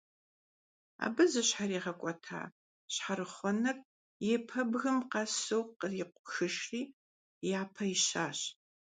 Абы зыщхьэригъэкӀуэта щхьэрыхъуэныр и пэбгым къэсу кърикъухыжри, япэ ищащ.